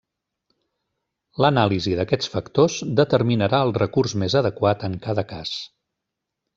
L'anàlisi d'aquests factors determinarà el recurs més adequat en cada cas.